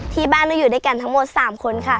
ที่บ้านเราอยู่ด้วยกันทั้งหมด๓คนค่ะ